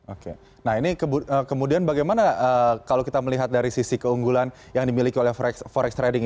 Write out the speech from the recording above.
oke nah ini kemudian bagaimana kalau kita melihat dari sisi keunggulan yang dimiliki oleh forex trading